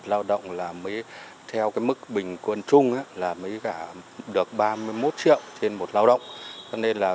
lao động là mới theo cái mức bình quân chung là mới cả được ba mươi một triệu trên một lao động cho nên là